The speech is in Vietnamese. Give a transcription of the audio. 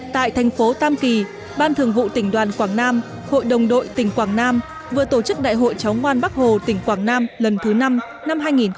tại thành phố tam kỳ ban thường vụ tỉnh đoàn quảng nam hội đồng đội tỉnh quảng nam vừa tổ chức đại hội cháu ngoan bắc hồ tỉnh quảng nam lần thứ năm năm hai nghìn hai mươi